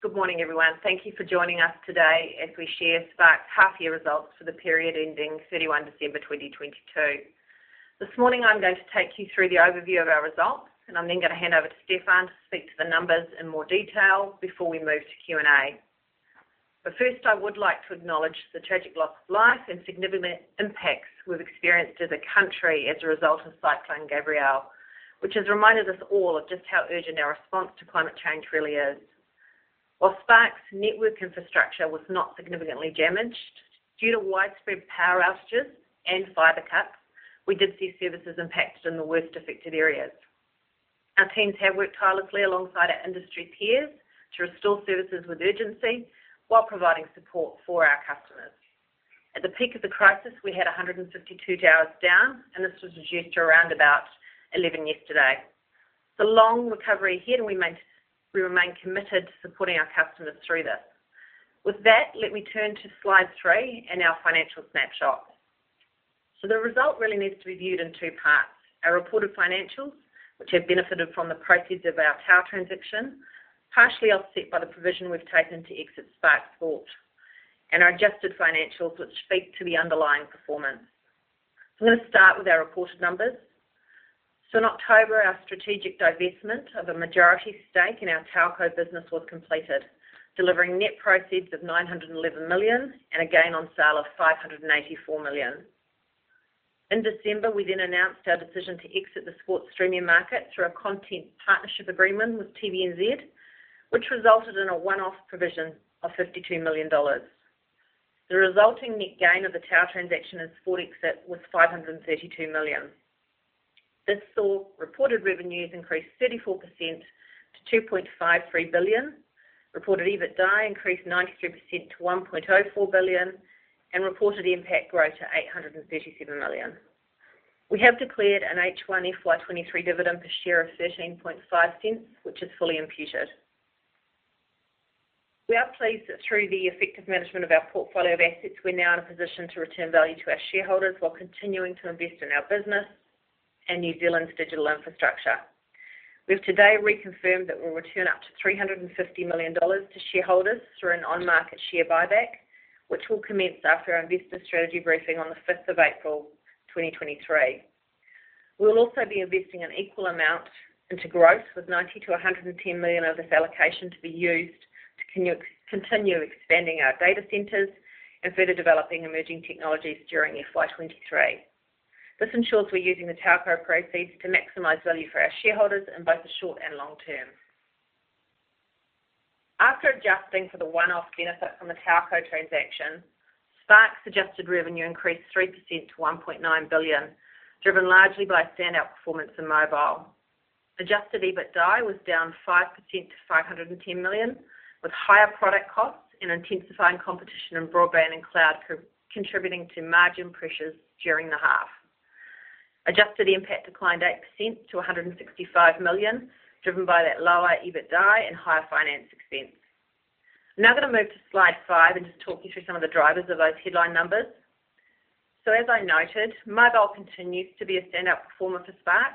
Good morning, everyone. Thank you for joining us today as we share Spark's half year results for the period ending 31 December 2022. This morning, I'm going to take you through the overview of our results. I'm then going to hand over to Stefan to speak to the numbers in more detail before we move to Q&A. First, I would like to acknowledge the tragic loss of life and significant impacts we've experienced as a country as a result of Cyclone Gabrielle, which has reminded us all of just how urgent our response to climate change really is. While Spark's network infrastructure was not significantly damaged, due to widespread power outages and fiber cuts, we did see services impacted in the worst affected areas. Our teams have worked tirelessly alongside our industry peers to restore services with urgency while providing support for our customers. At the peak of the crisis, we had 152 towers down. This was reduced to around about 11 yesterday. It's a long recovery ahead. We remain committed to supporting our customers through this. With that, let me turn to slide three and our financial snapshot. The result really needs to be viewed in two parts. Our reported financials, which have benefited from the proceeds of our Tower transaction, partially offset by the provision we've taken to exit Spark Sport, and our adjusted financials which speak to the underlying performance. I'm gonna start with our reported numbers. In October, our strategic divestment of a majority stake in our TowerCo business was completed, delivering net proceeds of 911 million and a gain on sale of 584 million. In December, we announced our decision to exit the Spark Sport streaming market through a content partnership agreement with TVNZ, which resulted in a one-off provision of 52 million dollars. The resulting net gain of the Tower transaction and Spark Sport exit was 532 million. This saw reported revenues increase 34% to 2.53 billion, reported EBITDA increased 93% to 1.04 billion, and reported NPAT growth to 837 million. We have declared an H1 FY2023 dividend per share of 0.135, which is fully imputed. We are pleased that through the effective management of our portfolio of assets, we're now in a position to return value to our shareholders while continuing to invest in our business and New Zealand's digital infrastructure. We've today reconfirmed that we'll return up to 350 million dollars to shareholders through an on-market share buyback, which will commence after our investor strategy briefing on the 5th of April 2023. We'll also be investing an equal amount into growth, with 90 million-110 million of this allocation to be used to continue expanding our data centers and further developing emerging technologies during FY2023. This ensures we're using the TowerCo proceeds to maximize value for our shareholders in both the short and long term. After adjusting for the one-off benefit from the TowerCo transaction, Spark's adjusted revenue increased 3% to 1.9 billion, driven largely by standout performance in mobile. Adjusted EBITDA was down 5% to 510 million, with higher product costs and intensifying competition in broadband and cloud co-contributing to margin pressures during the half. Adjusted NPAT declined 8% to 165 million, driven by that lower EBITDA and higher finance expense. I'm now gonna move to slide five and just talk you through some of the drivers of those headline numbers. As I noted, mobile continues to be a standout performer for Spark.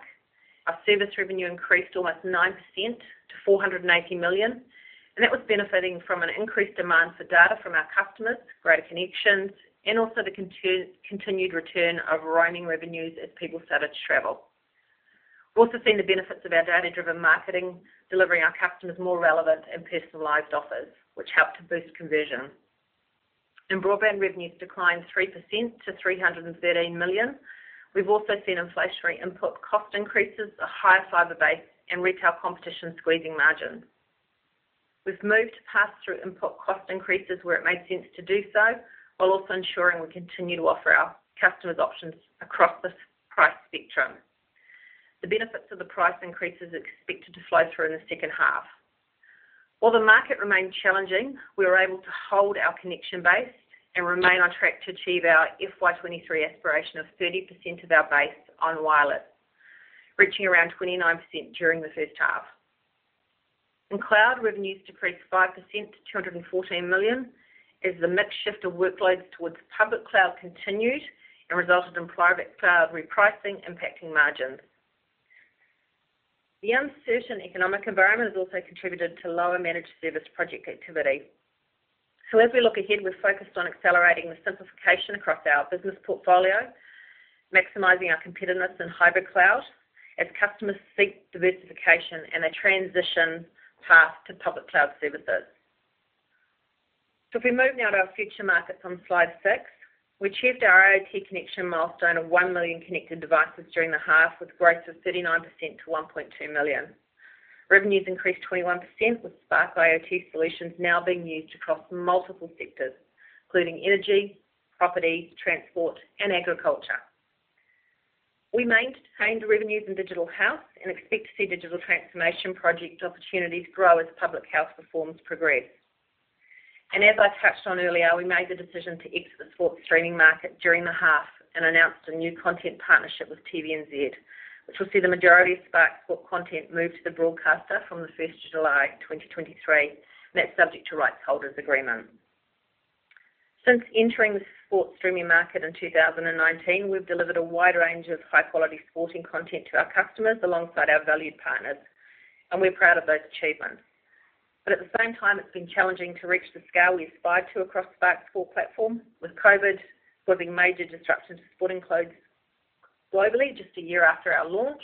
Our service revenue increased almost 9% to 480 million, and that was benefiting from an increased demand for data from our customers, greater connections, and also the continued return of roaming revenues as people started to travel. We're also seeing the benefits of our data-driven marketing, delivering our customers more relevant and personalized offers, which help to boost conversion. Broadband revenues declined 3% to 313 million. We've also seen inflationary input cost increases, a higher fiber base and retail competition squeezing margins. We've moved to pass through input cost increases where it made sense to do so, while also ensuring we continue to offer our customers options across the price spectrum. The benefits of the price increases are expected to flow through in the second half. While the market remained challenging, we were able to hold our connection base and remain on track to achieve our FY2023 aspiration of 30% of our base on wireless, reaching around 29% during the first half. In cloud, revenues decreased 5% to 214 million as the mix shift of workloads towards public cloud continued and resulted in private cloud repricing impacting margins. The uncertain economic environment has also contributed to lower managed service project activity. As we look ahead, we're focused on accelerating the simplification across our business portfolio, maximizing our competitiveness in hybrid cloud as customers seek diversification and a transition path to public cloud services. If we move now to our future markets on slide six. We achieved our IoT connection milestone of 1 million connected devices during the half, with growth of 39% to 1.2 million. Revenues increased 21%, with Spark IoT solutions now being used across multiple sectors, including energy, property, transport, and agriculture. We maintained revenues in digital health and expect to see digital transformation project opportunities grow as public health reforms progress. As I touched on earlier, we made the decision to exit the Spark Sport streaming market during the half and announced a new content partnership with TVNZ, which will see the majority of Spark Sport content move to the broadcaster from the 1st of July 2023, and that's subject to rights holders' agreement. Since entering the Spark Sport streaming market in 2019, we've delivered a wide range of high-quality sporting content to our customers alongside our valued partners, and we're proud of those achievements. At the same time, it's been challenging to reach the scale we aspire to across Spark Sport platform, with COVID causing major disruption to sporting clubs globally just a year after our launch.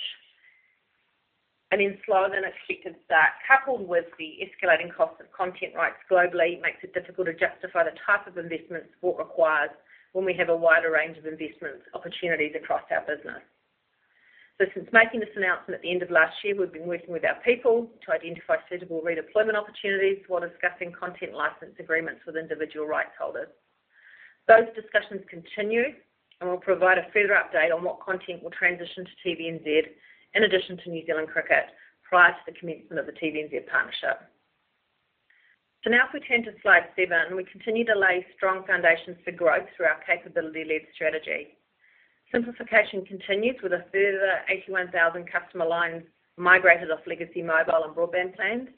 In slower than expected start, coupled with the escalating cost of content rights globally, makes it difficult to justify the type of investment sport requires when we have a wider range of investment opportunities across our business. Since making this announcement at the end of last year, we've been working with our people to identify suitable redeployment opportunities while discussing content license agreements with individual rights holders. Those discussions continue, and we'll provide a further update on what content will transition to TVNZ, in addition to New Zealand Cricket, prior to the commencement of the TVNZ partnership. Now if we turn to slide seven, we continue to lay strong foundations for growth through our capability-led strategy. Simplification continues with a further 81,000 customer lines migrated off legacy mobile and broadband plans.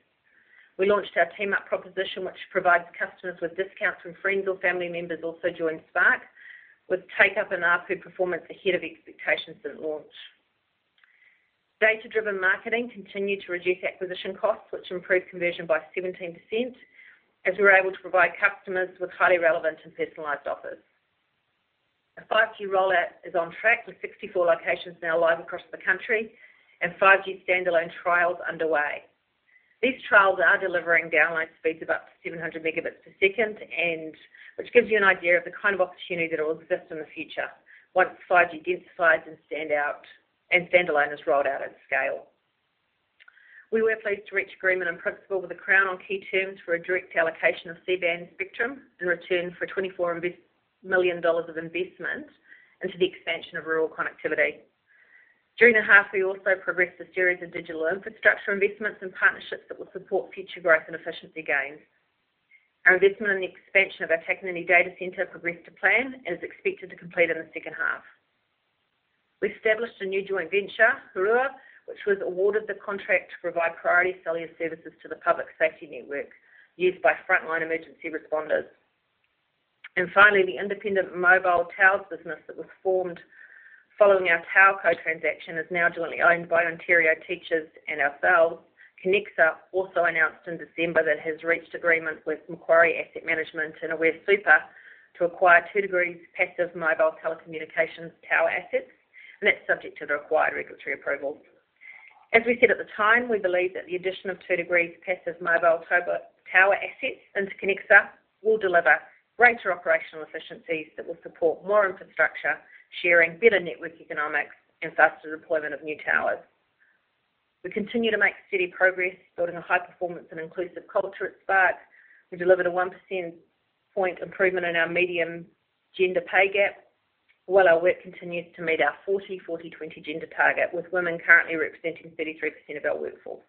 We launched our Team Up proposition, which provides customers with discounts when friends or family members also join Spark, with take up and ARPU performance ahead of expectations at launch. Data-driven marketing continued to reduce acquisition costs, which improved conversion by 17%, as we were able to provide customers with highly relevant and personalized offers. Our 5G rollout is on track, with 64 locations now live across the country and 5G standalone trials underway. These trials are delivering download speeds of up to 700 Mbps, which gives you an idea of the kind of opportunity that will exist in the future once 5G densifies and Standalone is rolled out at scale. We were pleased to reach agreement in principle with the Crown on key terms for a direct allocation of C-band spectrum in return for 24 million dollars of investment into the expansion of rural connectivity. During the half, we also progressed a series of digital infrastructure investments and partnerships that will support future growth and efficiency gains. Our investment in the expansion of our Takanini data center progressed to plan and is expected to complete in the second half. We established a new joint venture, Hourua, which was awarded the contract to provide priority cellular services to the public safety network used by frontline emergency responders. Finally, the independent mobile towers business that was formed following our TowerCo transaction is now jointly owned by Ontario Teachers and ourselves. Connexa also announced in December that it has reached agreements with Macquarie Asset Management and Aware Super to acquire 2degrees' passive mobile telecommunications tower assets. That's subject to the required regulatory approval. As we said at the time, we believe that the addition of 2degrees' passive mobile tower assets into Connexa will deliver greater operational efficiencies that will support more infrastructure, sharing better network economics, and faster deployment of new towers. We continue to make steady progress building a high-performance and inclusive culture at Spark. We delivered a 1 percentage point improvement in our median gender pay gap, while our work continues to meet our 40/40/20 gender target, with women currently representing 33% of our workforce.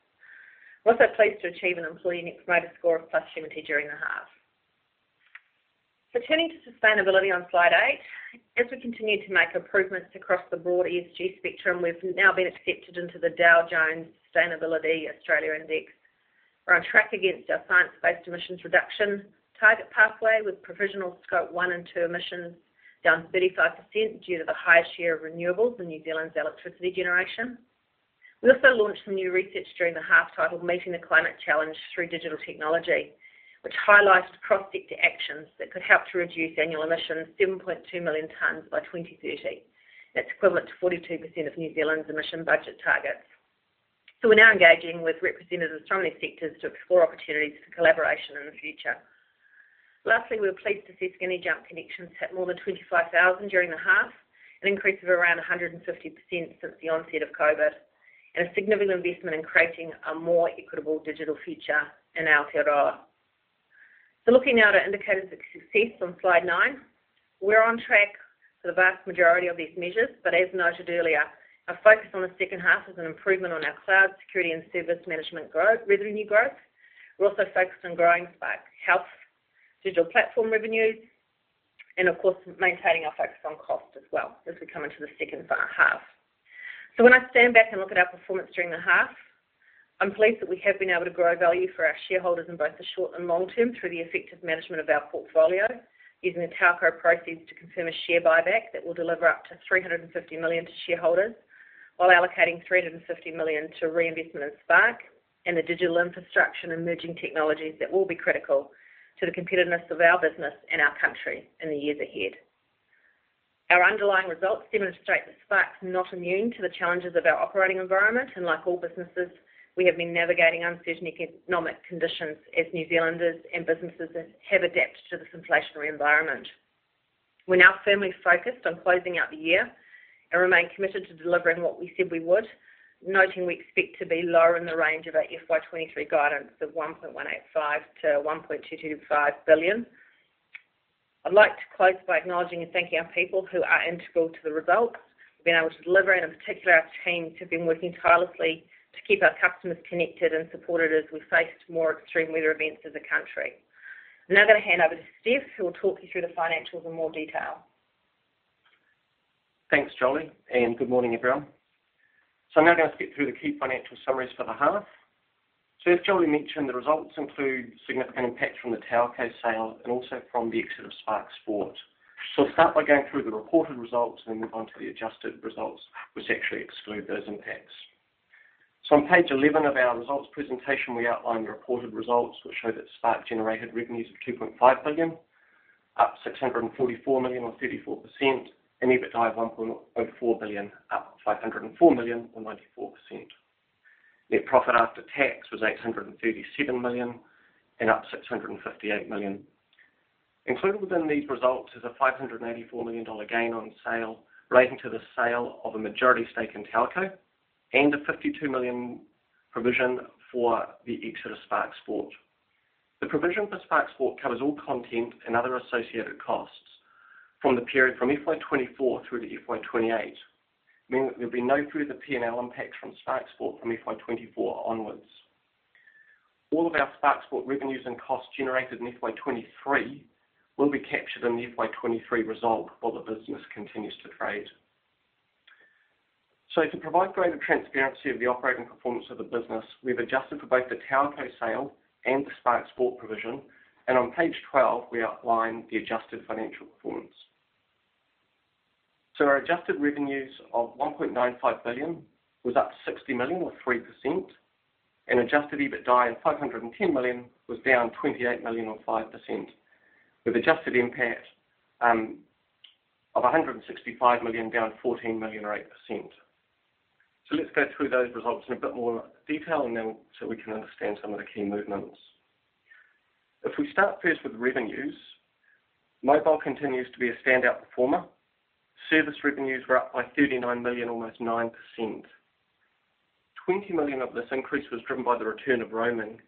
We're also pleased to achieve an employee Net Promoter Score of +70 during the half. Turning to sustainability on slide eight. We continue to make improvements across the broad ESG spectrum, we've now been accepted into the Dow Jones Sustainability Australia Index. We're on track against our science-based emissions reduction target pathway, with provisional scope one and two emissions down 35% due to the higher share of renewables in New Zealand's electricity generation. We also launched some new research during the half titled Meeting the Climate Challenge through Digital Technology, which highlights cross-sector actions that could help to reduce annual emissions 7.2 million tonnes by 2030. That's equivalent to 42% of New Zealand's emission budget target. We're now engaging with representatives from these sectors to explore opportunities for collaboration in the future. Lastly, we were pleased to see Skinny Jump connections hit more than 25,000 during the half, an increase of around 150% since the onset of COVID, and a significant investment in creating a more equitable digital future in Aotearoa. Looking now at our indicators of success on slide nine. We're on track for the vast majority of these measures, but as noted earlier, our focus on the second half is an improvement on our cloud security and service management revenue growth. We're also focused on growing Spark Health digital platform revenues, and of course, maintaining our focus on cost as well as we come into the second half. When I stand back and look at our performance during the half, I'm pleased that we have been able to grow value for our shareholders in both the short and long term through the effective management of our portfolio, using the TowerCo proceeds to confirm a share buyback that will deliver up to 350 million to shareholders while allocating 350 million to reinvestment in Spark and the digital infrastructure and emerging technologies that will be critical to the competitiveness of our business and our country in the years ahead. Our underlying results demonstrate that Spark's not immune to the challenges of our operating environment, like all businesses, we have been navigating uncertain economic conditions as New Zealanders and businesses have adapted to this inflationary environment. We're now firmly focused on closing out the year and remain committed to delivering what we said we would, noting we expect to be lower in the range of our FY2023 guidance of 1.185 billion-1.225 billion. I'd like to close by acknowledging and thanking our people who are integral to the results we've been able to deliver, and in particular, our teams who've been working tirelessly to keep our customers connected and supported as we've faced more extreme weather events as a country. I'm now gonna hand over to Stefan, who will talk you through the financials in more detail. Thanks, Jolie, good morning, everyone. I'm now going to skip through the key financial summaries for the half. As Jolie mentioned, the results include significant impact from the Telco sale and also from the exit of Spark Sport. I'll start by going through the reported results and then move on to the adjusted results, which actually exclude those impacts. On page 11 of our results presentation, we outlined the reported results, which show that Spark generated revenues of 2.5 billion, up 644 million or 34%, and EBITDA of 1.04 billion, up 504 million or 94%. Net profit after tax was 837 million and up 658 million. Included within these results is a 584 million dollar gain on sale relating to the sale of a majority stake in TowerCo, and a 52 million provision for the exit of Spark Sport. The provision for Spark Sport covers all content and other associated costs from the period from FY2024 through to FY2028, meaning that there'll be no further P&L impact from Spark Sport from FY2024 onwards. All of our Spark Sport revenues and costs generated in FY2023 will be captured in the FY2023 result while the business continues to trade. To provide greater transparency of the operating performance of the business, we've adjusted for both the TowerCo sale and the Spark Sport provision, and on page 12, we outline the adjusted financial performance. Our adjusted revenues of 1.95 billion was up 60 million or 3%, and adjusted EBITDA of 510 million was down 28 million or 5%, with adjusted impact of 165 million, down 14 million or 8%. Let's go through those results in a bit more detail and then so we can understand some of the key movements. If we start first with revenues, mobile continues to be a standout performer. Service revenues were up by 39 million, almost 9%. 20 million of this increase was driven by the return of roaming,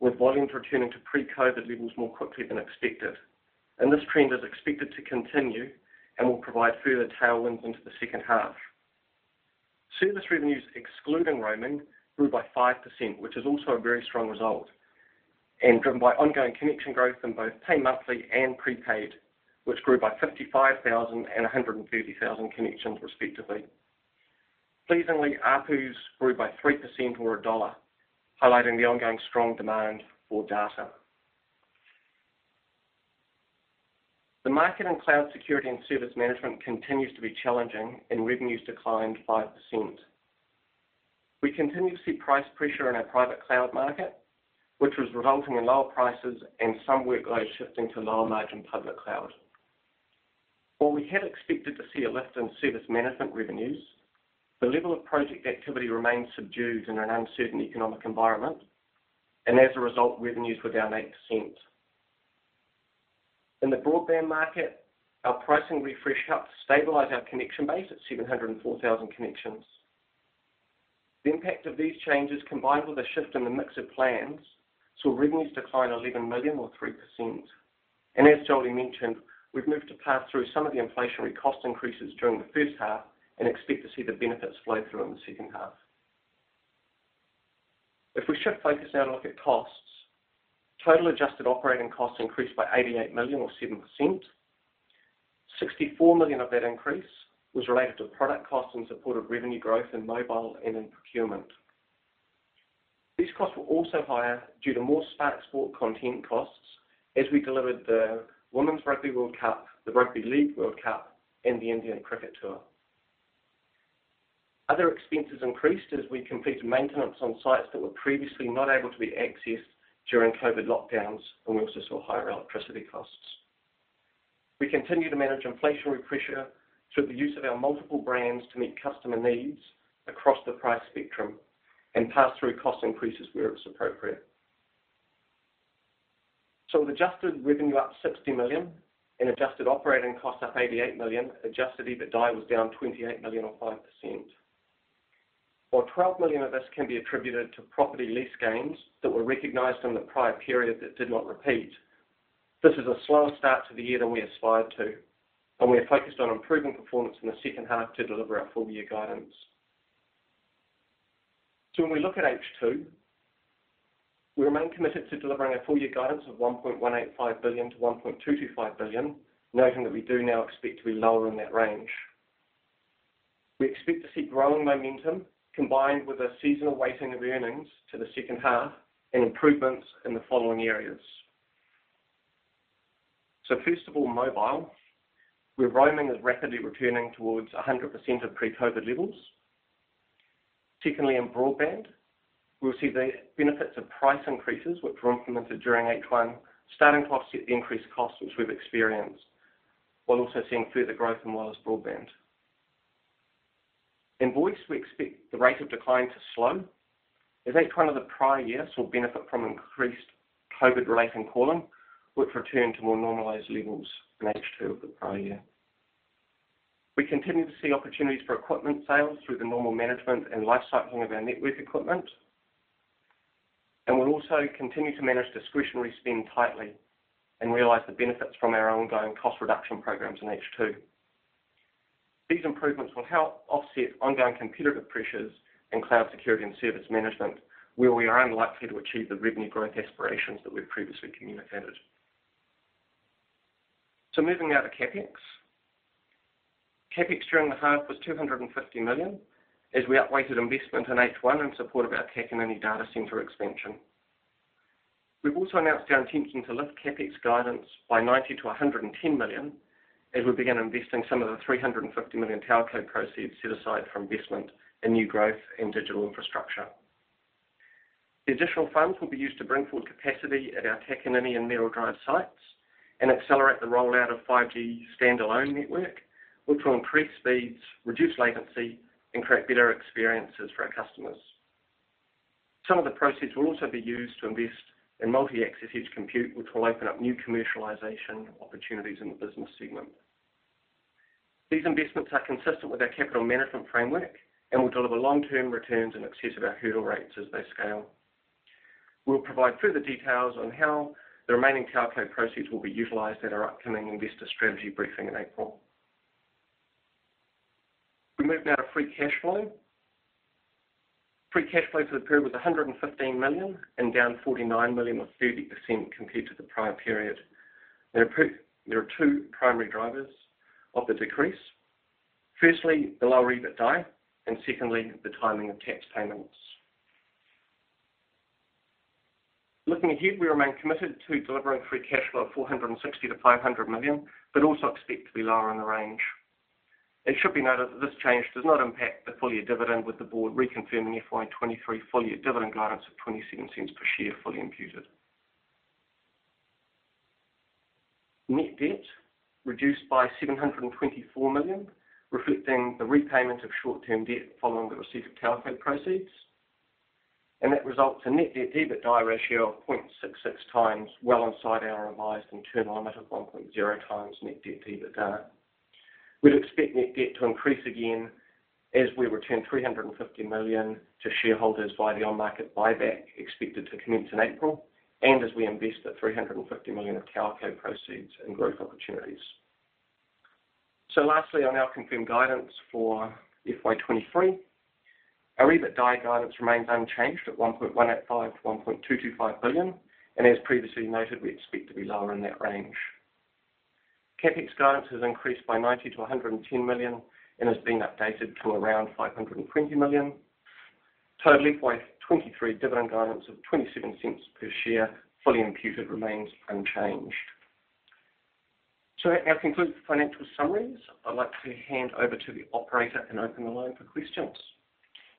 with volumes returning to pre-COVID levels more quickly than expected. This trend is expected to continue and will provide further tailwinds into the second half. Service revenues, excluding roaming, grew by 5%, which is also a very strong result. Driven by ongoing connection growth in both pay monthly and prepaid, which grew by 55,000 and 130,000 connections respectively. Pleasingly, ARPUs grew by 3% or NZD 1, highlighting the ongoing strong demand for data. The market in cloud security and service management continues to be challenging. Revenues declined 5%. We continue to see price pressure in our private cloud market, which was resulting in lower prices and some workloads shifting to lower margin public cloud. While we had expected to see a lift in service management revenues, the level of project activity remains subdued in an uncertain economic environment. As a result, revenues were down 8%. In the broadband market, our pricing refresh helped to stabilize our connection base at 704,000 connections. The impact of these changes, combined with a shift in the mix of plans, saw revenues decline 11 million or 3%. As Jolie mentioned, we've moved to pass through some of the inflationary cost increases during the first half and expect to see the benefits flow through in the second half. If we shift focus now to look at costs, total adjusted operating costs increased by 88 million or 7%. 64 million of that increase was related to product costs in support of revenue growth in mobile and in procurement. These costs were also higher due to more Spark Sport content costs as we delivered the Women's Rugby World Cup, the Rugby League World Cup, and the Indian Cricket Tour. Other expenses increased as we completed maintenance on sites that were previously not able to be accessed during COVID lockdowns, and we also saw higher electricity costs. We continue to manage inflationary pressure through the use of our multiple brands to meet customer needs across the price spectrum and pass through cost increases where it was appropriate. With adjusted revenue up 60 million and adjusted operating costs up 88 million, adjusted EBITDA was down 28 million or 5%. While 12 million of this can be attributed to property lease gains that were recognized in the prior period that did not repeat, this is a slower start to the year than we aspired to, and we are focused on improving performance in the second half to deliver our full year guidance. When we look at H2, we remain committed to delivering our full year guidance of 1.185 billion-1.225 billion, noting that we do now expect to be lower in that range. We expect to see growing momentum combined with a seasonal weighting of earnings to the second half and improvements in the following areas. First of all, mobile, where roaming is rapidly returning towards 100% of pre-COVID levels. Secondly, in broadband, we'll see the benefits of price increases which were implemented during H1 starting to offset the increased costs which we've experienced, while also seeing further growth in wireless broadband. In voice, we expect the rate of decline to slow as H1 of the prior year saw benefit from increased COVID-related calling, which returned to more normalized levels in H2 of the prior year. We continue to see opportunities for equipment sales through the normal management and life cycling of our network equipment. We'll also continue to manage discretionary spend tightly and realize the benefits from our ongoing cost reduction programs in H2. These improvements will help offset ongoing competitive pressures in cloud security and service management, where we are unlikely to achieve the revenue growth aspirations that we've previously communicated. Moving now to CapEx. CapEx during the half was 250 million as we outweighed investment in H1 in support of our Takanini Data Center expansion. We've also announced our intention to lift CapEx guidance by 90 million-110 million as we begin investing some of the 350 million Telco proceeds set aside for investment in new growth in digital infrastructure. The additional funds will be used to bring forward capacity at our Takanini and Merrill Drive sites and accelerate the rollout of 5G standalone network, which will increase speeds, reduce latency, and create better experiences for our customers. Some of the proceeds will also be used to invest in multi-access edge computing, which will open up new commercialization opportunities in the business segment. These investments are consistent with our capital management framework and will deliver long-term returns in excess of our hurdle rates as they scale. We'll provide further details on how the remaining TowerCo proceeds will be utilized at our upcoming investor strategy briefing in April. We move now to free cash flow. Free cash flow for the period was 115 million and down 49 million or 30% compared to the prior period. There are two primary drivers of the decrease. Firstly, the lower EBITDA, and secondly, the timing of tax payments. Looking ahead, we remain committed to delivering free cash flow of 460 million-500 million, but also expect to be lower in the range. It should be noted that this change does not impact the full year dividend, with the board reconfirming FY2023 full year dividend guidance of 0.27 per share, fully imputed. Net debt reduced by 724 million, reflecting the repayment of short-term debt following the receipt of Telco proceeds. That results in net debt to EBITDA ratio of 0.66 times, well inside our revised and turn limit of 1.0x net debt to EBITDA. We'd expect net debt to increase again as we return 350 million to shareholders via the on-market buyback expected to commence in April, and as we invest the 350 million of Telco proceeds in growth opportunities. Lastly, I now confirm guidance for FY2023. Our EBITDA guidance remains unchanged at 1.185 billion-1.225 billion, and as previously noted, we expect to be lower in that range. CapEx guidance has increased by 90 million-110 million and has been updated to around 520 million. Total FY2023 dividend guidance of 0.27 per share fully imputed remains unchanged. That now concludes the financial summaries. I'd like to hand over to the operator and open the line for questions.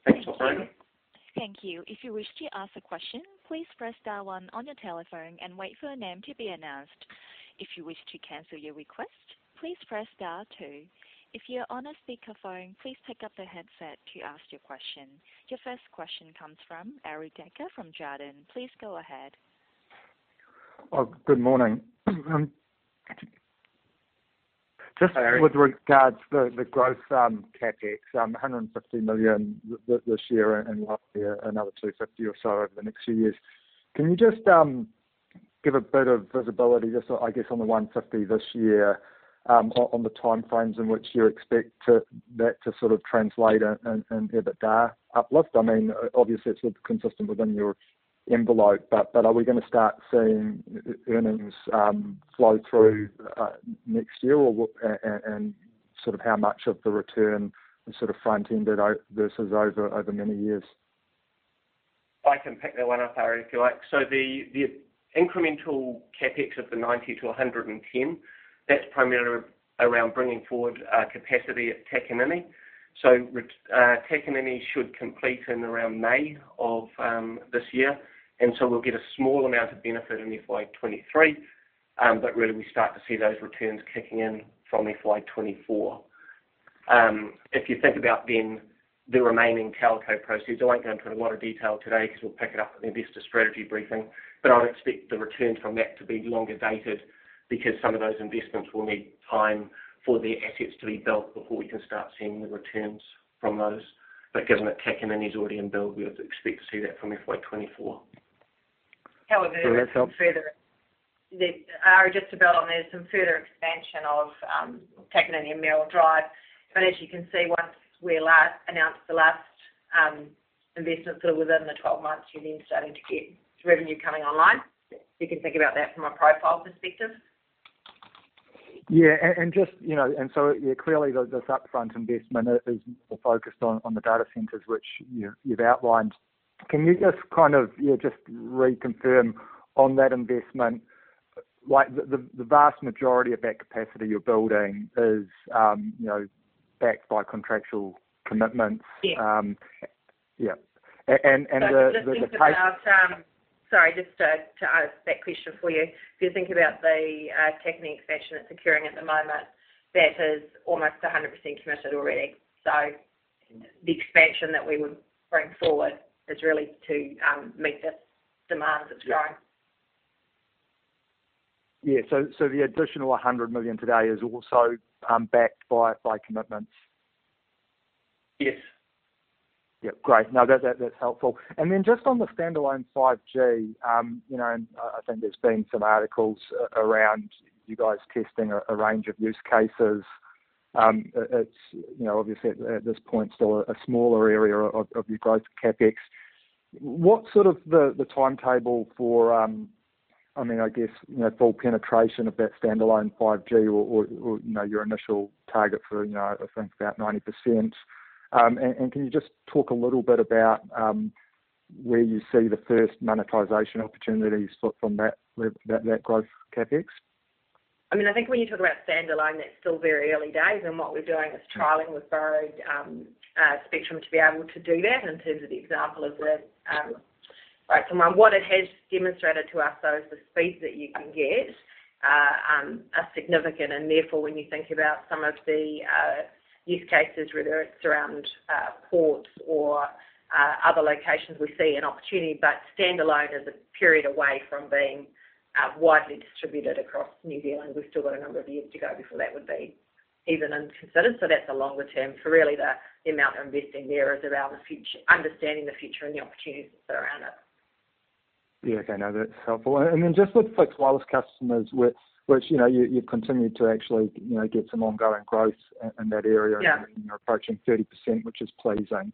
Thanks, operator. Thank you. If you wish to ask a question, please press star one on your telephone and wait for your name to be announced. If you wish to cancel your request, please press star two. If you're on a speakerphone, please pick up the headset to ask your question. Your first question comes from Arie Dekker from Jarden. Please go ahead. Good morning. With regards to the growth, CapEx, 150 million this year and last year, another 250 million or so over the next few years. Can you just give a bit of visibility, just I guess on the 150 million this year, on the time frames in which you expect that to sort of translate in EBITDA uplift? I mean, obviously it's sort of consistent within your envelope, but are we going to start seeing earnings flow through next year or what and sort of how much of the return is sort of front-ended versus over many years? I can pick that one up, Arie, if you like. The incremental CapEx of the 90 million-110 million, that's primarily around bringing forward capacity at Takanini. Takanini should complete in around May of this year. We'll get a small amount of benefit in FY2023. Really we start to see those returns kicking in from FY2024. If you think about the remaining Telco proceeds, I won't go into a lot of detail today because we'll pick it up at the investor strategy briefing, but I'd expect the return from that to be longer dated because some of those investments will need time for their assets to be built before we can start seeing the returns from those. Given that Takanini is already in build, we would expect to see that from FY2024. Further, Arie, just to build on this, some further expansion of Takanini and Merrill Drive. As you can see, once we last announced the last investment sort of within the 12 months, you're then starting to get revenue coming online. You can think about that from a profile perspective. Yeah. Just, you know, yeah, clearly this upfront investment is more focused on the data centers, which you've outlined. Can you just kind of, you know, just reconfirm on that investment, like the vast majority of that capacity you're building is, you know, backed by contractual commitments? Yes. Yeah. the pace. Sorry, just to answer that question for you. If you think about the Takanini expansion that's occurring at the moment, that is almost 100% committed already. The expansion that we would bring forward is really to meet the demand that's growing. Yeah. the additional 100 million today is also, backed by commitments? Yes. Yeah. Great. No, that's helpful. Then just on the standalone 5G, you know, I think there's been some articles around you guys testing a range of use cases. It's, you know, obviously at this point, still a smaller area of your growth CapEx. What's sort of the timetable for, I mean, I guess, you know, full penetration of that standalone 5G or, you know, your initial target for, you know, I think about 90%. Can you just talk a little bit about where you see the first monetization opportunities sort from that growth CapEx? I mean, I think when you talk about standalone, that's still very early days, and what we're doing is trialing with borrowed spectrum to be able to do that in terms of the example of the right. What it has demonstrated to us, though, is the speeds that you can get are significant. Therefore, when you think about some of the use cases, whether it's around ports or other locations, we see an opportunity. Standalone is a period away from being widely distributed across New Zealand. We've still got a number of years to go before that would be even considered. That's a longer term. Really the amount we're investing there is around understanding the future and the opportunities that are around it. Yeah. Okay. No, that's helpful. Then just with fixed wireless customers which, you know, you've continued to actually, you know, get some ongoing growth in that area. Yeah. You're approaching 30%, which is pleasing.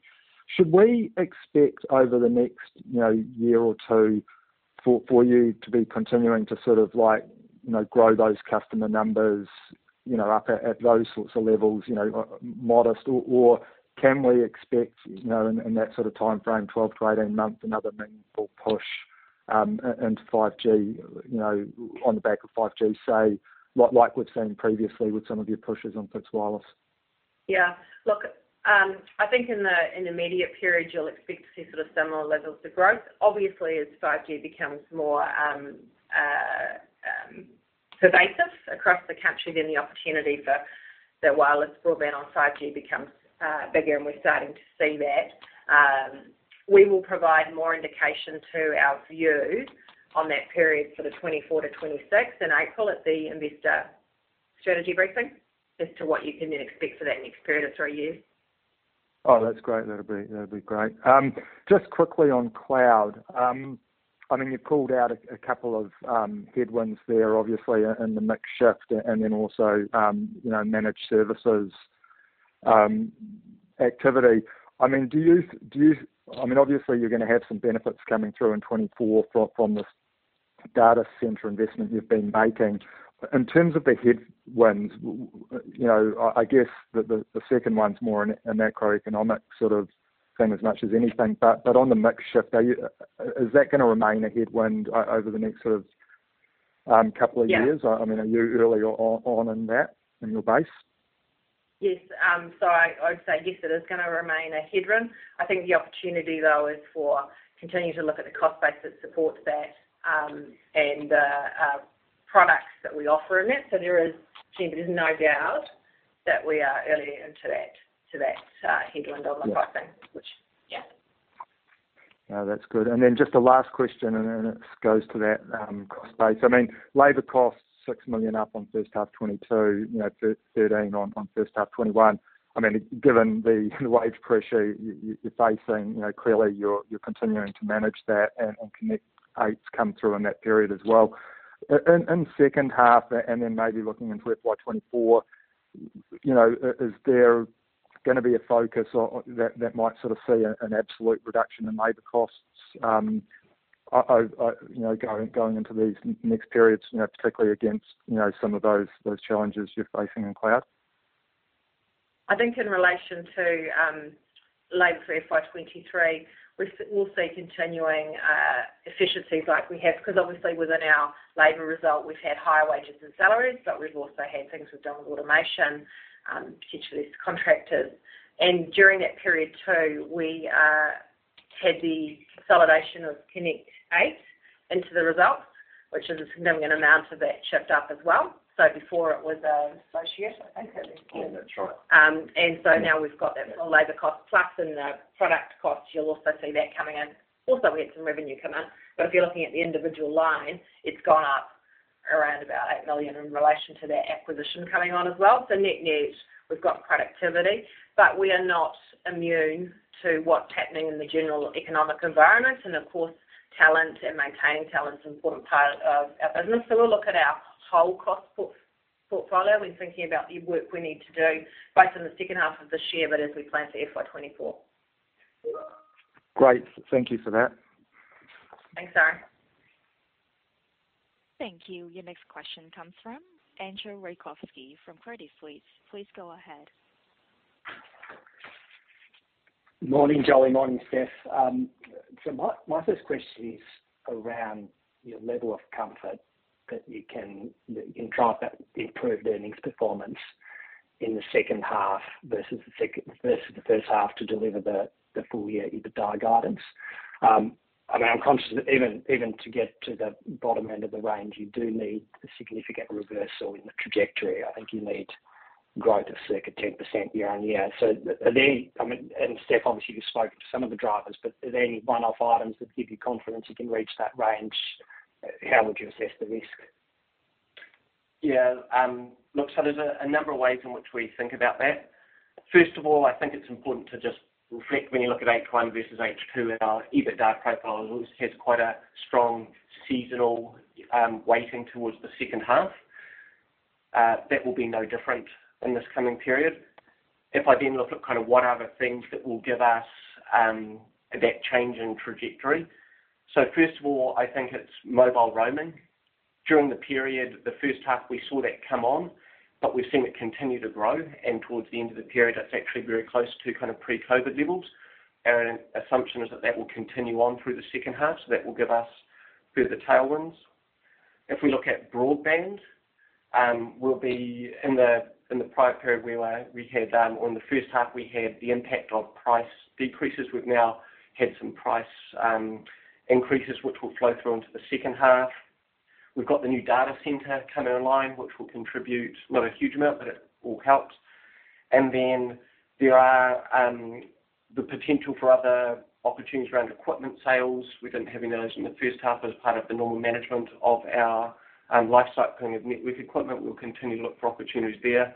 Should we expect over the next, you know, year or two for you to be continuing to sort of like, you know, grow those customer numbers, you know, up at those sorts of levels, you know, modest? Or can we expect, you know, in that sort of timeframe, 12-18 months, another meaningful push into 5G, you know, on the back of 5G, say, like we've seen previously with some of your pushes on fixed wireless? Yeah. Look, I think in the immediate period, you'll expect to see sort of similar levels of growth. Obviously, as 5G becomes more pervasive across the country, the opportunity for the wireless broadband on 5G becomes bigger, and we're starting to see that. We will provide more indication to our view on that period for the 2024-2026 in April at the Investor Strategy Briefing as to what you can then expect for that next period of three years. Oh, that's great. That'll be great. Just quickly on cloud. I mean, you pulled out a couple of headwinds there, obviously in the mix shift and then also, you know, managed services activity. I mean, obviously you're gonna have some benefits coming through in 2024 from this data center investment you've been making. In terms of the headwinds, you know, I guess the second one's more an macroeconomic sort of thing as much as anything. On the mix shift, is that gonna remain a headwind over the next sort of couple of years? Yeah. I mean, are you early on in that, in your base? Yes. I would say yes, it is gonna remain a headwind. I think the opportunity though is for continuing to look at the cost base that supports that, and products that we offer in that. There's no doubt that we are early into that headwind on the pricing. Yeah. No, that's good. Just a last question, and then it goes to that cost base. I mean, labor costs 6 million up on first half 2022, you know, 13 on first half 2021. I mean, given the wage pressure you're facing, you know, clearly you're continuing to manage that and Connect 8's come through in that period as well. In second half, and then maybe looking into FY2024, you know, is there gonna be a focus that might sort of see an absolute reduction in labor costs, you know, going into these next periods, you know, particularly against, you know, some of those challenges you're facing in cloud? I think in relation to labor for FY 2023, we we'll see continuing efficiencies like we have, 'cause obviously within our labor result, we've had higher wages and salaries, but we've also had things we've done with automation, potentially with contractors. During that period too, we had the consolidation of Connect 8 into the results, which is a significant amount of that shift up as well. Before it was associated, I think that's right. Now we've got that labor cost plus and the product cost, you'll also see that coming in. We had some revenue come in. If you're looking at the individual line, it's gone up around about 8 million in relation to that acquisition coming on as well. Net-net, we've got productivity, but we are not immune to what's happening in the general economic environment. Of course, talent and maintaining talent is an important part of our business. We'll look at our whole cost portfolio when thinking about the work we need to do, both in the second half of this year, but as we plan for FY 2024. Great. Thank you for that. Thanks, Arie. Thank you. Your next question comes from Entcho Raykovski from Credit Suisse. Please go ahead. Morning, Jolie. Morning, Stefan. My first question is around your level of comfort that you can drive that improved earnings performance in the second half versus the first half to deliver the full year EBITDA guidance. I mean, I'm conscious that even to get to the bottom end of the range, you do need a significant reversal in the trajectory. I think you need growth of circa 10% year-on-year. Are there any— I mean, and Stefan, obviously you've spoken to some of the drivers, but are there any one-off items that give you confidence you can reach that range? How would you assess the risk? Yeah. look, there's a number of ways in which we think about that. First of all, I think it's important to just reflect when you look at H1 versus H2 in our EBITDA profile, it always has quite a strong seasonal weighting towards the second half. That will be no different in this coming period. If I look at kind of what are the things that will give us that change in trajectory. First of all, I think it's mobile roaming. During the period, the first half we saw that come on, but we've seen it continue to grow, and towards the end of the period, that's actually very close to kind of pre-COVID levels. Our assumption is that that will continue on through the second half, so that will give us further tailwinds. If we look at broadband, we'll be in the prior period where we had on the first half we had the NPAT of price decreases. We've now had some price increases, which will flow through into the second half. We've got the new data center coming online, which will contribute, not a huge amount, but it all helps. Then there are the potential for other opportunities around equipment sales. We didn't have any of those in the first half as part of the normal management of our lifecycle of network equipment. We'll continue to look for opportunities there.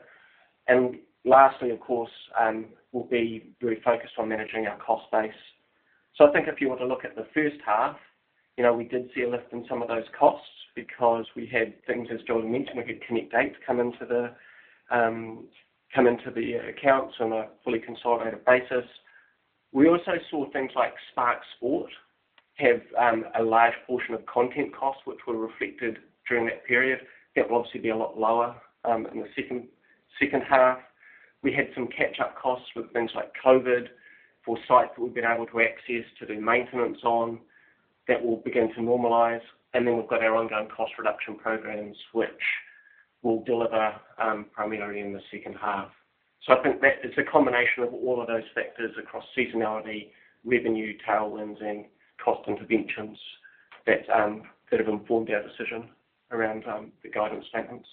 Lastly, of course, we'll be very focused on managing our cost base. I think if you were to look at the first half, you know, we did see a lift in some of those costs because we had things, as Jolie mentioned, we had Connect 8 come into the accounts on a fully consolidated basis. We also saw things like Spark Sport have a large portion of content costs, which were reflected during that period. That will obviously be a lot lower in the second half. We had some catch-up costs with things like COVID for sites that we've been able to access to do maintenance on. That will begin to normalize. Then we've got our ongoing cost reduction programs, which will deliver primarily in the second half. I think that it's a combination of all of those factors across seasonality, revenue tailwinds, and cost interventions that have informed our decision around the guidance statements.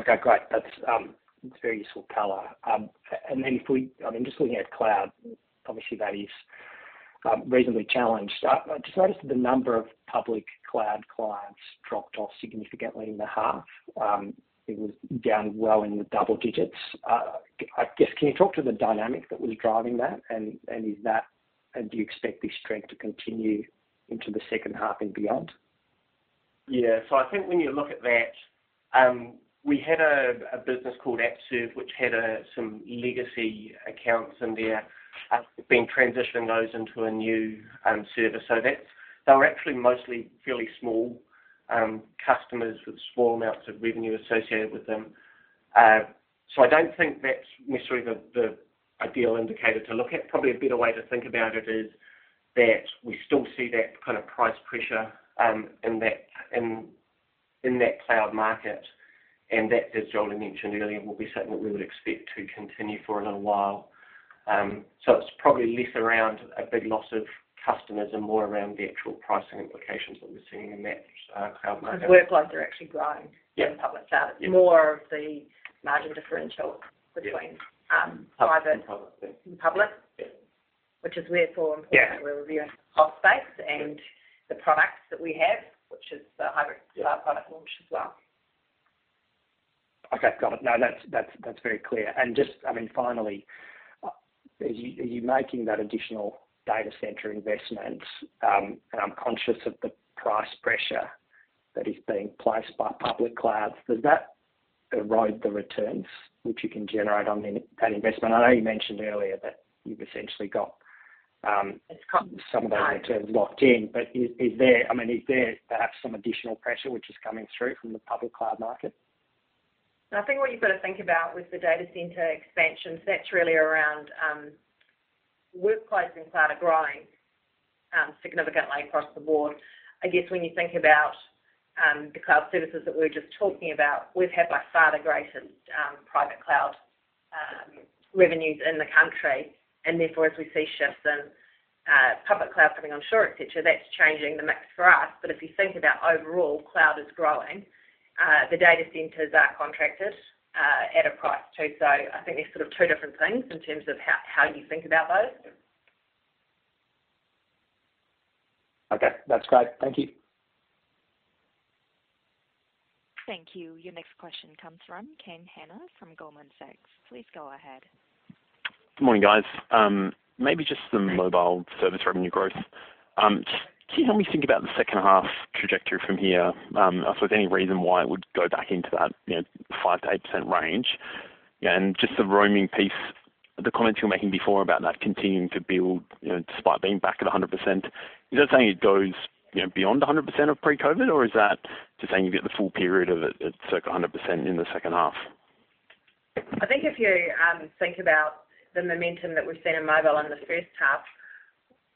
Okay, great. That's very useful color. I mean, just looking at cloud, obviously that is reasonably challenged. I just noticed that the number of public cloud clients dropped off significantly in the half. It was down well in the double digits. I guess, can you talk to the dynamic that was driving that? Do you expect this trend to continue into the second half and beyond? I think when you look at that, we had a business called AppServe, which had some legacy accounts in there. We've been transitioning those into a new service. They were actually mostly fairly small customers with small amounts of revenue associated with them. I don't think that's necessarily the ideal indicator to look at. Probably a better way to think about it is that we still see that kind of price pressure in that cloud market, and that, as Jolie mentioned earlier, will be something that we would expect to continue for a little while. It's probably less around a big loss of customers and more around the actual pricing implications that we're seeing in that cloud market. 'Cause workloads are actually growing. Yeah. In public cloud. Yeah. It's more of the marginal differential between- Yeah. -um, private- Public. public. Yeah. Which is therefore important. Yeah. That we're reviewing the cost base and the products that we have, which is the hybrid cloud product launch as well. Okay. Got it. No, that's very clear. Just, I mean, finally, are you making that additional data center investment? I'm conscious of the price pressure that is being placed by public clouds. Does that erode the returns which you can generate on that investment? I know you mentioned earlier that you've essentially got some of those returns locked in. Is there, I mean, is there perhaps some additional pressure which is coming through from the public cloud market? I think what you've got to think about with the data center expansion, so that's really around workloads in cloud are growing significantly across the board. I guess when you think about the cloud services that we were just talking about, we've had by far the greatest private cloud revenues in the country. Therefore, as we see shifts in public cloud coming onshore, et cetera, that's changing the mix for us. If you think about overall, cloud is growing. The data centers are contracted at a price too. I think there's sort of two different things in terms of how you think about those. Okay. That's great. Thank you. Thank you. Your next question comes from Kane Hannan from Goldman Sachs. Please go ahead. Good morning, guys. Maybe just some mobile service revenue growth? Can you help me think about the second half trajectory from here? If there's any reason why it would go back into that, you know, 5%-8% range? Just the roaming piece, the comments you were making before about that continuing to build, you know, despite being back at 100%, is that saying it goes, you know, beyond 100% of pre-COVID? Or is that just saying you get the full period of it at circa 100% in the second half? I think if you think about the momentum that we've seen in mobile in the first half,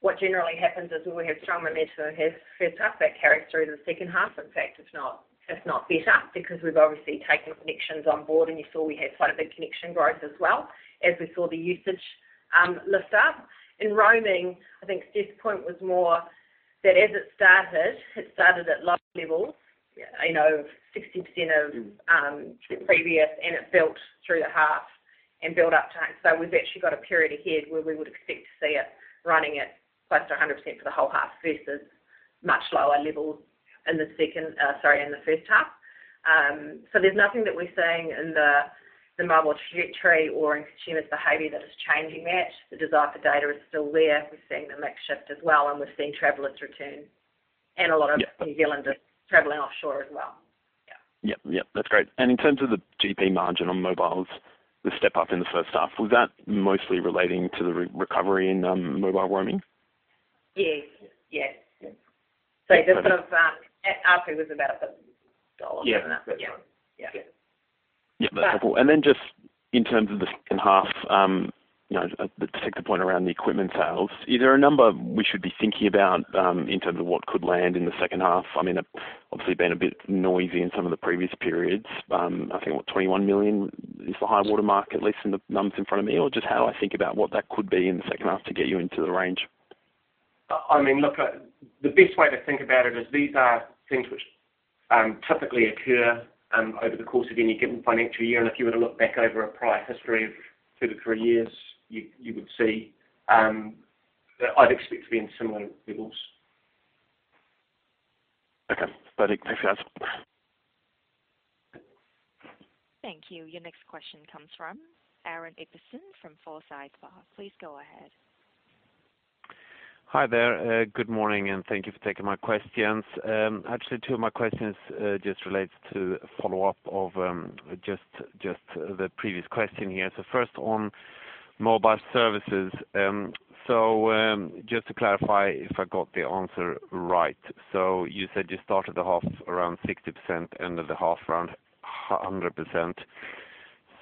what generally happens is when we have strong momentum in the first half, that carries through to the second half. In fact, if not, if not better, because we've obviously taken connections on board, and you saw we had quite a big connection growth as well as we saw the usage lift up. In roaming, I think Steph's point was more that as it started, it started at low levels, you know, 60% of previous, and it built through the half and built up. We've actually got a period ahead where we would expect to see it running at close to 100% for the whole half versus much lower levels in the second, sorry, in the first half. There's nothing that we're seeing in the mobile trajectory or in consumers behavior that is changing that. The desire for data is still there. We're seeing the mix shift as well, and we're seeing travelers return. Yeah. A lot of New Zealanders traveling offshore as well. Yeah. Yep, yep, that's great. In terms of the GP margin on mobiles, the step up in the first half, was that mostly relating to the re-recovery in mobile roaming? Yes. Yes. The sort of, RP was about NZD 1. Yeah. Yeah. That's right. Yeah. Yeah. That's helpful. Just in terms of the second half, you know, to take the point around the equipment sales, is there a number we should be thinking about, in terms of what could land in the second half? I mean, obviously been a bit noisy in some of the previous periods. I think, what, 21 million is the high water mark, at least in the numbers in front of me. Just how I think about what that could be in the second half to get you into the range. I mean, look, the best way to think about it is these are things which typically occur over the course of any given financial year. If you were to look back over a prior history of two to three years, you would see, I'd expect to be in similar levels. Okay. Thanks for that. Thank you. Your next question comes from Aaron Ibbotson from Forsyth Barr. Please go ahead. Hi there. Good morning, and thank you for taking my questions. Actually, two of my questions, just relates to follow-up of, just the previous question here. First on mobile services. Just to clarify if I got the answer right? You said you started the half around 60%, end of the half around 100%.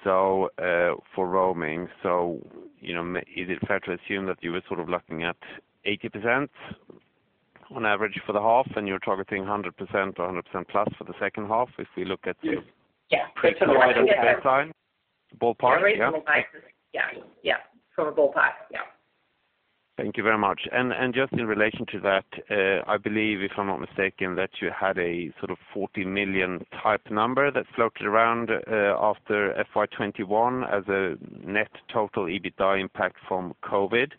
For roaming, you know, is it fair to assume that you were sort of looking at 80% on average for the half, and you're targeting 100% or 100% plus for the second half if we look at the? Yeah. Ballpark? Yeah. Yeah. Yeah. Sort of ballpark. Yeah. Thank you very much. Just in relation to that, I believe, if I'm not mistaken, that you had a sort of 40 million type number that floated around after FY2021 as a net total EBITDA NPAT from COVID.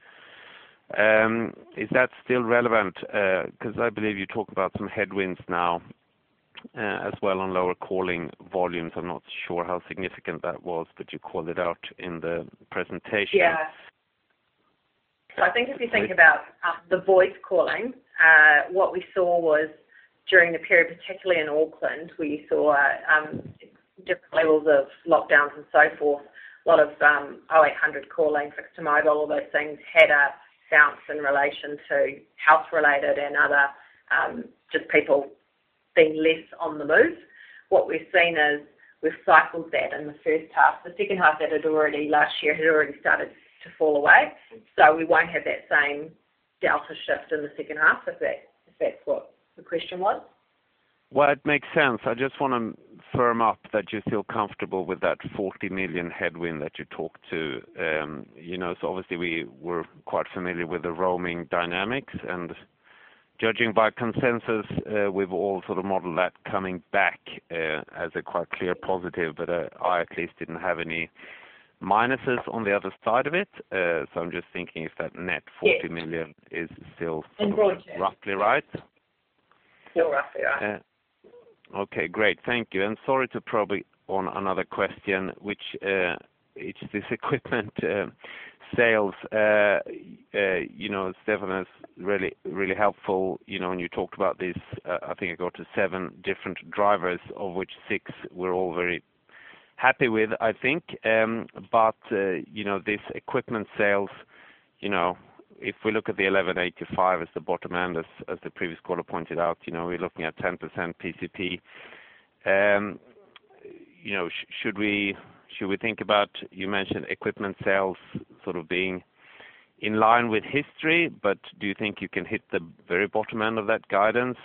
Is that still relevant? 'cause I believe you talked about some headwinds now as well on lower calling volumes. I'm not sure how significant that was, but you called it out in the presentation. I think if you think about the voice calling, what we saw was during the period, particularly in Auckland, we saw different levels of lockdowns and so forth. A lot of 0800 call length fixed to mobile, all those things had a bounce in relation to health related and other, just people being less on the move. What we've seen is we've cycled that in the first half. The second half that last year had already started to fall away. We won't have that same delta shift in the second half, if that's what the question was. It makes sense. I just wanna firm up that you feel comfortable with that 40 million headwind that you talked to. You know, obviously we were quite familiar with the roaming dynamics, and judging by consensus, we've all sort of modeled that coming back as a quite clear positive. I at least didn't have any minuses on the other side of it. I'm just thinking if that net 40 million is still sort of roughly right? Still roughly right. Okay, great. Thank you. Sorry to probably on another question, which, it's this equipment sales. You know, Stefan is really, really helpful. You know, when you talked about this, I think it got to seven different drivers of which six we're all very happy with, I think. You know, this equipment sales, you know, if we look at the 1.185 billion as the bottom end, as the previous caller pointed out, you know, we're looking at 10% PCP. You know, should we think about, you mentioned equipment sales sort of being in line with history. Do you think you can hit the very bottom end of that guidance,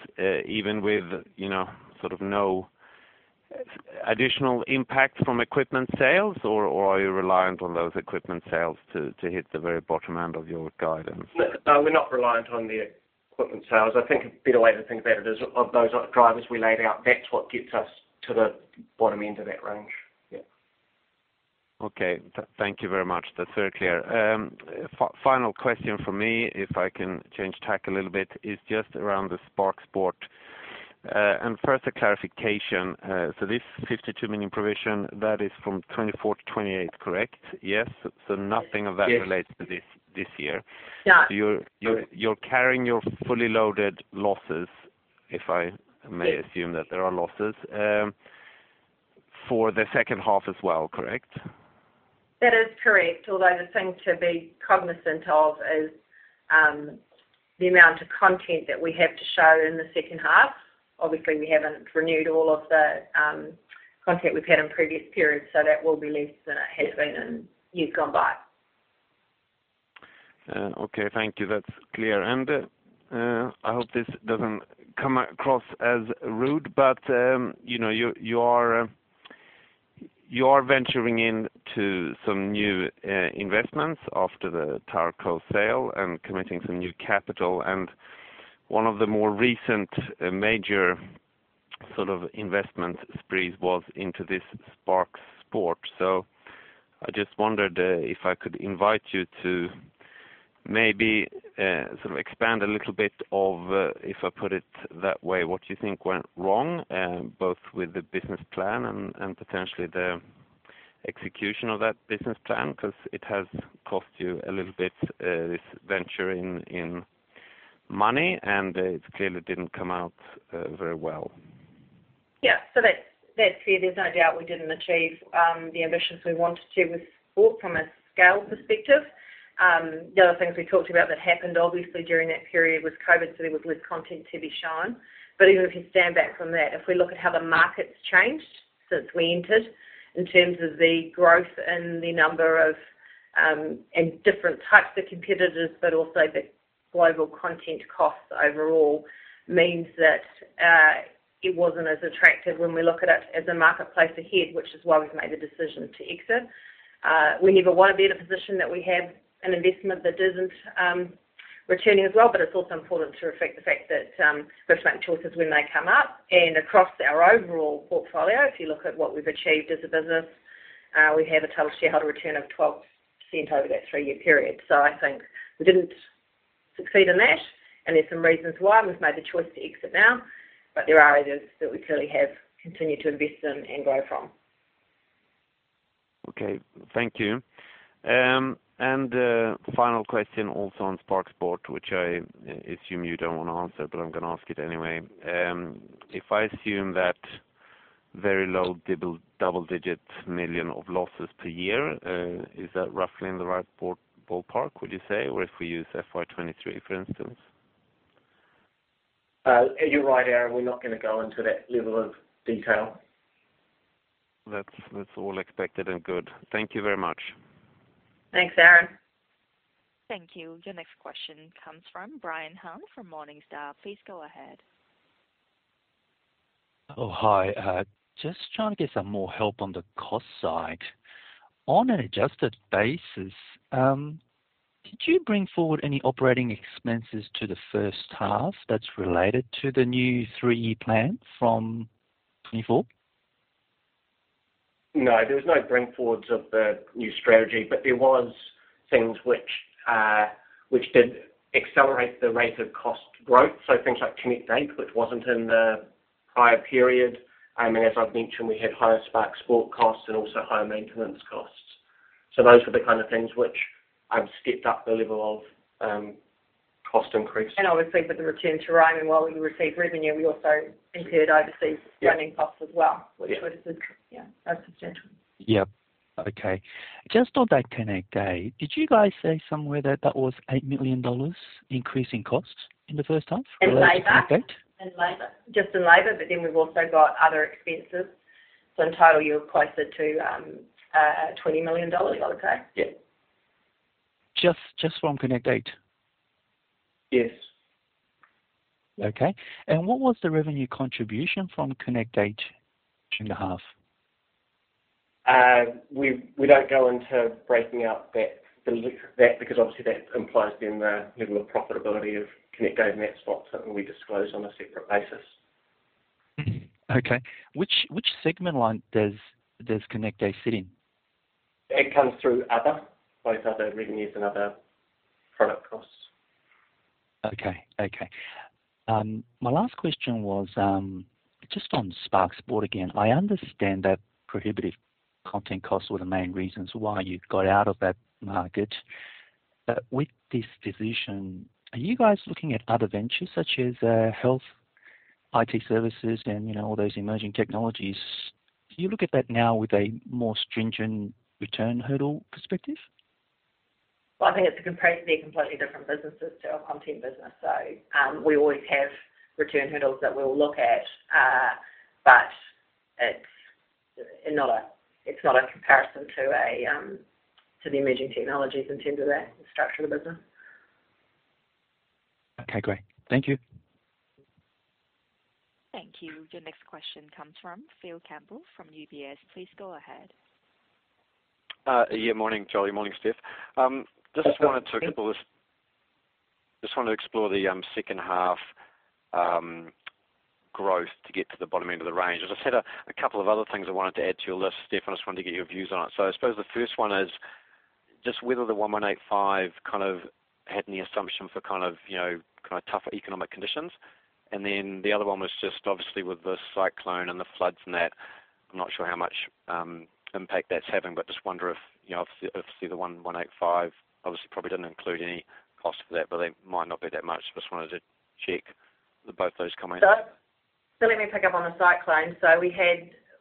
even with, you know, sort of no additional NPAT from equipment sales, or are you reliant on those equipment sales to hit the very bottom end of your guidance? No, we're not reliant on the equipment sales. I think a better way to think about it is of those drivers we laid out, that's what gets us to the bottom end of that range. Yeah. Okay. Thank you very much. That's very clear. Final question from me, if I can change tack a little bit, is just around the Spark Sport. First a clarification. This 52 million provision, that is from 2024 to 2028, correct? Yes. Nothing of that relates to this year. You're carrying your fully loaded losses, if I may assume that there are losses, for the second half as well, correct? That is correct. The thing to be cognizant of is, the amount of content that we have to show in the second half. Obviously, we haven't renewed all of the, content we've had in previous periods, so that will be less than it has been in years gone by. Okay. Thank you. That's clear. I hope this doesn't come across as rude, but, you know, you are, you are venturing into some new investments after the TowerCo sale and committing some new capital. One of the more recent major sort of investment sprees was into this Spark Sport. I just wondered if I could invite you to maybe sort of expand a little bit of, if I put it that way, what you think went wrong, both with the business plan and potentially the execution of that business plan. 'Cause it has cost you a little bit, this venture in money, and it clearly didn't come out very well. That's, that's fair. There's no doubt we didn't achieve the ambitions we wanted to with Spark Sport from a scale perspective. The other things we talked about that happened obviously during that period was COVID, so there was less content to be shown. Even if you stand back from that, if we look at how the market's changed since we entered, in terms of the growth and the number of and different types of competitors, but also the global content costs overall means that it wasn't as attractive when we look at it as a marketplace ahead, which is why we've made the decision to exit. We never wanna be in a position that we have an investment that isn't returning as well, but it's also important to reflect the fact that we're making choices when they come up. Across our overall portfolio, if you look at what we've achieved as a business, we have a total shareholder return of 12% over that three-year period. I think we didn't succeed in that, and there's some reasons why, and we've made the choice to exit now, but there are others that we clearly have continued to invest in and grow from. Okay. Thank you. A final question also on Spark Sport, which I assume you don't wanna answer, but I'm gonna ask it anyway. If I assume that very low double-digit million of losses per year, is that roughly in the right ballpark, would you say, or if we use FY2023, for instance? You're right, Aaron, we're not gonna go into that level of detail. That's all expected and good. Thank you very much. Thanks, Aaron. Thank you. Your next question comes from Brian Han from Morningstar. Please go ahead. Just trying to get some more help on the cost side. On an adjusted basis, did you bring forward any OpEx to the first half that's related to the new three-year plan from 2024? No, there was no bring forwards of the new strategy, but there was things which did accelerate the rate of cost growth. Things like Connect 8, which wasn't in the prior period. I mean, as I've mentioned, we had higher Spark Sport costs and also higher maintenance costs. Those were the kind of things which I've skipped up the level of cost increase. Obviously, with the return to roaming, while we receive revenue, we also incurred overseas running costs as well, which are substantial. Yep. Okay. Just on that Connect 8, did you guys say somewhere that that was 8 million dollars increase in costs in the first half related to Connect 8? In labor. Just in labor, we've also got other expenses. In total, you're closer to 20 million dollars, I would say. Yeah. Just from Connect 8? Yes. Okay. What was the revenue contribution from Connect 8 in the half? We don't go into breaking out that that because obviously that implies then the level of profitability of Connect 8, and that's not something we disclose on a separate basis. Mm-hmm. Okay. Which segment line does Connect 8 sit in? It comes through other. Both other revenues and other product costs. Okay. Okay. My last question was, just on Spark Sport again. I understand that prohibitive content costs were the main reasons why you got out of that market. With this decision, are you guys looking at other ventures such as, health, IT services, and, you know, all those emerging technologies? Do you look at that now with a more stringent return hurdle perspective? I think they're completely different businesses to our content business. We always have return hurdles that we'll look at, but it's not a, it's not a comparison to a, to the emerging technologies in terms of that structure of the business. Okay, great. Thank you. Thank you. Your next question comes from Phil Campbell from UBS. Please go ahead. Yeah. Morning, Jolie. Morning, Stefan. Just wanted to couple this. Good morning, Phil. Just wanted to explore the second half growth to get to the bottom end of the range. As I said, a couple of other things I wanted to add to your list, Steph. I just wanted to get your views on it. I suppose the first one is just whether the 1.185 billion kind of had any assumption for kind of, you know, kind of tougher economic conditions. The other one was just obviously with the cyclone and the floods and that, I'm not sure how much impact that's having, but just wonder if, you know, if the 1.185 billion obviously probably didn't include any cost for that, but there might not be that much. Just wanted to check both those comments. Let me pick up on the cyclone.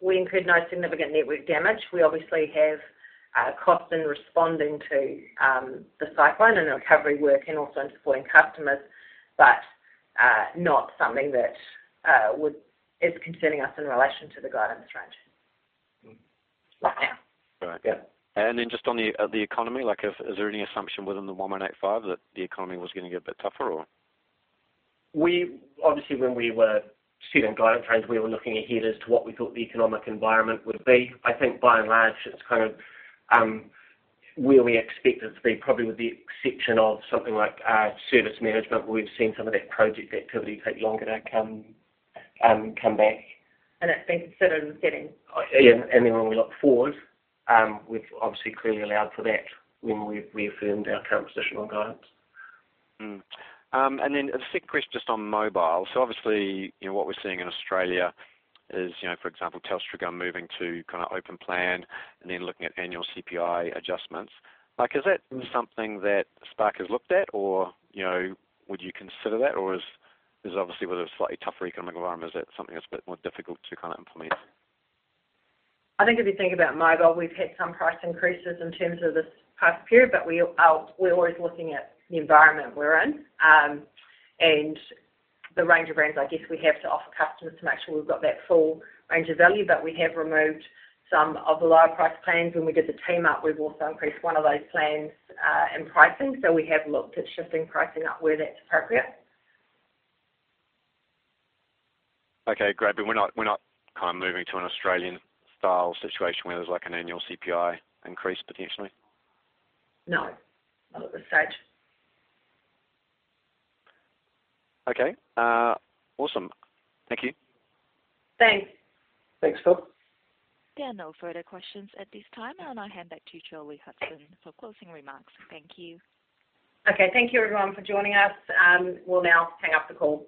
We incurred no significant network damage. We obviously have cost in responding to the cyclone and the recovery work and also in deploying customers, not something that is concerning us in relation to the guidance range. Not now. All right. Yeah. Just on the economy, like, if is there any assumption within the 1.185 billion that the economy was gonna get a bit tougher or? Obviously, when we were setting guidance range, we were looking ahead as to what we thought the economic environment would be. I think by and large, it's kind of, where we expect it to be, probably with the exception of something like, service management, where we've seen some of that project activity take longer to come back. That's been considered in the guidance. Yeah. Then when we look forward, we've obviously clearly allowed for that when we affirmed our current position on guidance. A second question just on mobile. Obviously, you know, what we're seeing in Australia is, you know, for example, Telstra are moving to kinda open plan and then looking at annual CPI adjustments. Like, is that something that Spark has looked at or, you know, would you consider that? Is obviously with a slightly tougher economic environment, is that something that's a bit more difficult to kinda implement? I think if you think about mobile, we've had some price increases in terms of this past period, but we are, we're always looking at the environment we're in, and the range I guess we have to offer customers to make sure we've got that full range of value. We have removed some of the lower price plans. When we did the Team Up, we've also increased one of those plans in pricing. We have looked at shifting pricing up where that's appropriate. Okay, great. We're not kind of moving to an Australian style situation where there's, like, an annual CPI increase potentially? No, not at this stage. Okay. Awesome. Thank you. Thanks. Thanks, Phil. There are no further questions at this time. I'll hand back to you, Jolie Hodson, for closing remarks. Thank you. Okay. Thank you everyone for joining us. We'll now hang up the call.